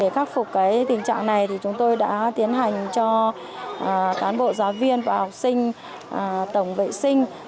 để khắc phục tình trạng này chúng tôi đã tiến hành cho cán bộ giáo viên và học sinh tổng vệ sinh